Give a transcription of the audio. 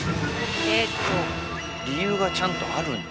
理由がちゃんとあるんだ。